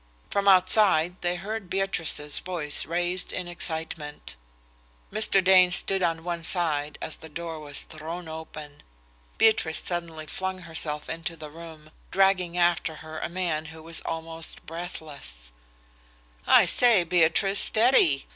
From outside they heard Beatrice's voice raised in excitement. Mr. Dane stood on one side as the door was thrown open. Beatrice suddenly flung herself into the room, dragging after her a man who was almost breathless. "I say, Beatrice, steady!"